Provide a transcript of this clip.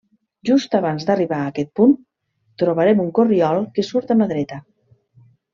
Just abans d'arribar a aquest punt, trobarem un corriol que surt a mà dreta.